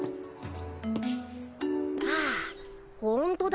あほんとだ。